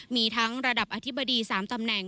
มีทั้งระดับอธิบดี๓ตำแหน่ง